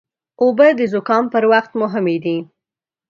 اوبه د زکام پر وخت مهمې دي.